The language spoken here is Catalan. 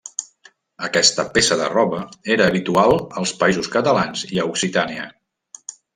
Aquesta peça de roba era habitual als Països Catalans i a Occitània.